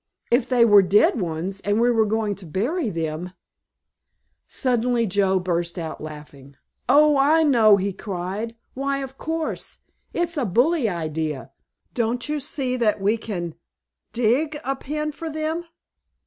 If they were dead ones, and we were going to bury them——" Suddenly Joe burst out laughing. "Oh, I know," he cried. "Why, of course! It's a bully idea! Don't you see that we can dig a pen for them?